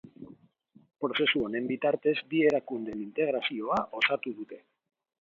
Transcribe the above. Prozesu honen bitartez bi erakundeen integrazioa osatu dute.